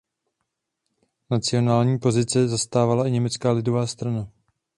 Nacionální pozice zastávala i Německá lidová strana.